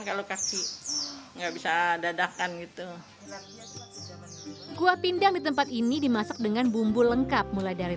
kalau kasih nggak bisa dadakan gitu kuah pindang di tempat ini dimasak dengan bumbu lengkap mulai dari